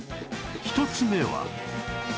１つ目は